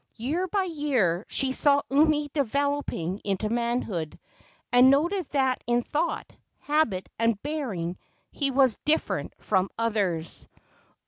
Year by year she saw Umi developing into manhood, and noted that in thought, habit and bearing he was different from others.